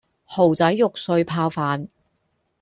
蠔仔肉碎泡飯